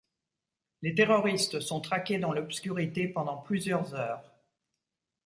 Les terroristes sont traqués dans l'obscurité pendant plusieurs heures.